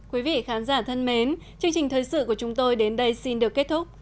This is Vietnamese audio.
quý vị khán giả thân mến chương trình thời sự của chúng tôi đến đây xin được kết thúc